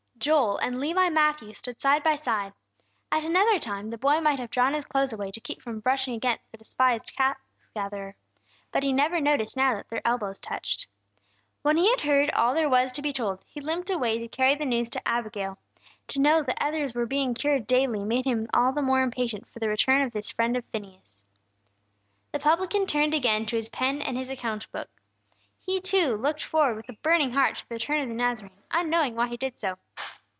Joel and Levi Matthew stood side by side. At another time the boy might have drawn his clothes away to keep from brushing against the despised tax gatherer. But he never noticed now that their elbows touched. When he had heard all there was to be told, he limped away to carry the news to Abigail. To know that others were being cured daily made him all the more impatient for the return of this friend of Phineas. The publican turned again to his pen and his account book. He, too, looked forward with a burning heart to the return of the Nazarene, unknowing why he did so.